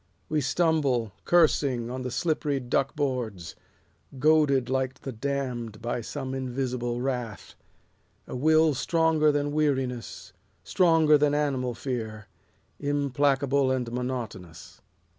We stumble, cursing, on the slippery duck boards. Goaded like the damned by some invisible wrath, A will stronger than weariness, stronger than animal fear, Implacable and monotonous.